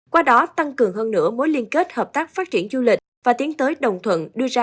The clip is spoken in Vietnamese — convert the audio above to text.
qua đó tăng cường hơn nữa mối liên kết hợp tác phát triển du lịch và tiến tới đồng thuận đưa ra